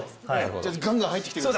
じゃあガンガン入ってきてください。